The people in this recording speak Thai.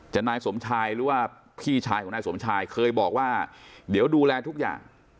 นายสมชายหรือว่าพี่ชายของนายสมชายเคยบอกว่าเดี๋ยวดูแลทุกอย่าง